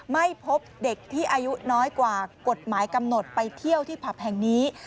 ไม่พบเด็กที่อายุน้อยกว่ากฎหมายกำหนดไปเที่ยวที่ผับแห่งนี้